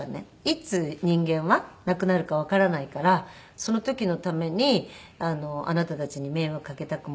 いつ人間は亡くなるかわからないからその時のためにあなたたちに迷惑かけたくないし。